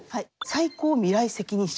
最高未来責任者？